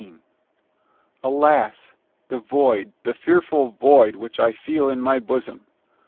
Alas! the void the fearful void, which I feel in my bosom!